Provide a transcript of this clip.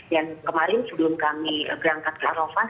dan kemarin sebelum kami gerangkat ke arovas